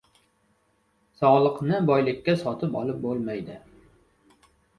• Sog‘likni boylikka sotib olib bo‘lmaydi.